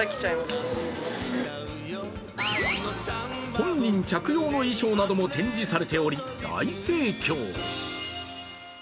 本人着用の衣装なども展示されており、大盛況。